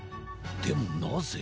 でもなぜ？